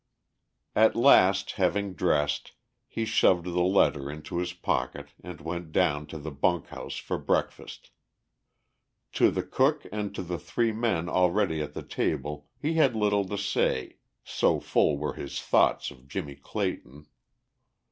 At last having dressed, he shoved the letter into his pocket, and went down to the bunk house for breakfast. To the cook and to the three men already at the table he had little to say, so full were his thoughts of Jimmie Clayton.